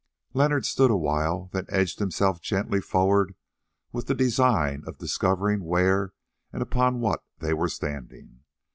Leonard stood awhile, then edged himself gently forward with the design of discovering where and upon what they were standing.